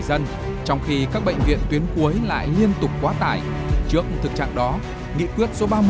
dân trong khi các bệnh viện tuyến cuối lại liên tục quá tải trước thực trạng đó nghị quyết số ba mươi